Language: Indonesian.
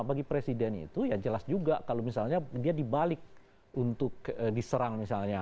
bagi presiden itu ya jelas juga kalau misalnya dia dibalik untuk diserang misalnya